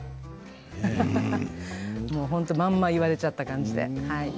本当まんま言われちゃった感じで。